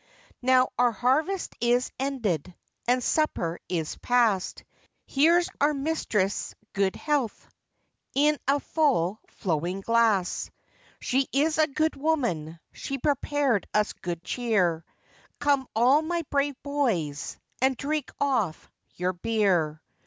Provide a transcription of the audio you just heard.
Now our harvest is ended, And supper is past; Here's our mistress' good health, In a full flowing glass! She is a good woman,— She prepared us good cheer; Come, all my brave boys, And drink off your beer.